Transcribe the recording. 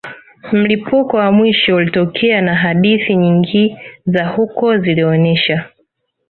Mlipuko wa mwisho ulitokea na hadithi nyingi za huko zilionesha